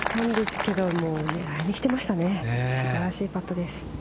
素晴らしいパットです。